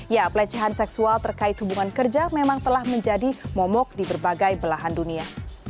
ya pelecehan seksual terkait hubungan kerja memang telah menjadi momok di berbagai belahan dunia